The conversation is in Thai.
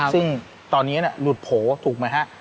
ซึ่งตอนนี้หลุดโผล่ถูกไหมฮะ